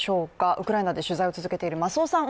ウクライナで取材を続けている増尾さん